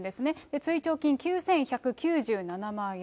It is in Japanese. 追徴金９１９７万円。